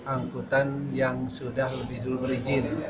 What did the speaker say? angkutan yang sudah lebih dulu berizin